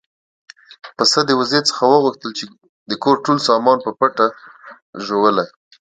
پسه د وزې څخه وغوښتل چې د کور ټول سامان په پټه ژوولی.